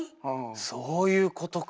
そういうことか。